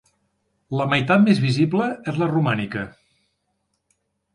La meitat més visible és la romànica.